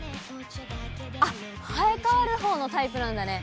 あっ、生え変わるほうのタイプなんだね。